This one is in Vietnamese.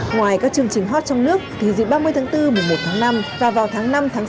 ngoài các chương trình hot trong nước thì dịp ba mươi tháng bốn một mươi một tháng năm và vào tháng năm tháng sáu